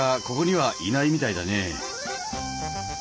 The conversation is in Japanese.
ここにはいないみたいだね。